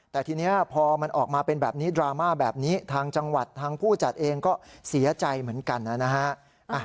แต่ทีนี้พอมันออกมาเป็นแบบนี้ดราม่าแบบนี้ทางจังหวัดทางผู้จัดเองก็เสียใจเหมือนกันนะฮะ